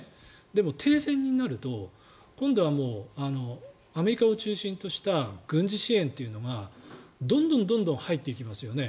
でも、停戦になると今度はアメリカを中心とした軍事支援というのがどんどん入っていきますよね。